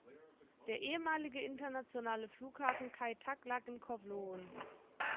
Der ehemalige internationale Flughafen Kai Tak lag in Kowloon.